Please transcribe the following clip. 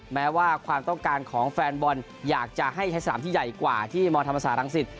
แม้ว่าความต้องการของแฟนบอลอยากจะให้ใช้สนามที่ใหญ่กว่าที่มธรรมศาสตรังสิต